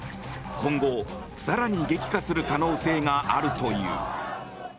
今後、更に激化する可能性があるという。